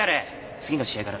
次の試合からだ。